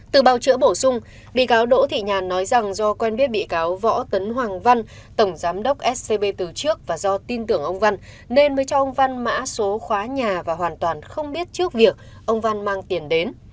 từ bào chữa bổ sung bị cáo đỗ thị nhàn nói rằng do quen biết bị cáo võ tấn hoàng văn tổng giám đốc scb từ trước và do tin tưởng ông văn nên mới cho ông văn mã số khóa nhà và hoàn toàn không biết trước việc ông văn mang tiền đến